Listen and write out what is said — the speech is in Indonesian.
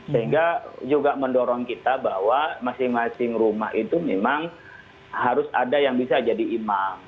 sehingga juga mendorong kita bahwa masing masing rumah itu memang harus ada yang bisa jadi imam